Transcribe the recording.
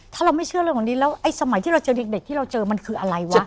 ถ้าเราไม่เชื่อเรื่องแบบนี้แล้วไอ้สมัยที่เราเจอเด็กที่เราเจอมันคืออะไรวะ